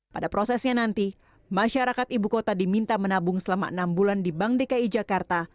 pada prosesnya nanti masyarakat ibu kota diminta menabung selama enam bulan di bank dki jakarta